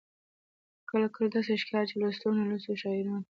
کله کله داسې ښکاري چې لوستو او نالوستو شاعرانو.